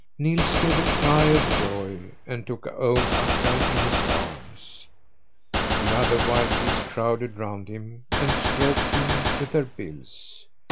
Nils gave a cry of joy and took old Akka in his arms. The other wild geese crowded round him and stroked him with their bills.